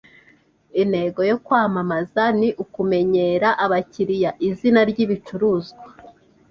Intego yo kwamamaza ni ukumenyera abakiriya izina ryibicuruzwa